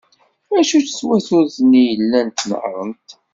Acu-tt twaturt-nni i llant nehhrent?